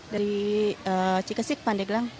dari cikesik pandeglang